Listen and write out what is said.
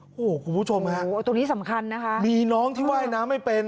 โอ้โหคุณผู้ชมฮะโอ้โหตรงนี้สำคัญนะคะมีน้องที่ว่ายน้ำไม่เป็น